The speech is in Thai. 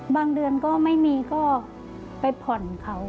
เดือนก็ไม่มีก็ไปผ่อนเขา